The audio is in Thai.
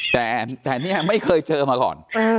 แต่นี่ไม่เคยเจอมาก่อน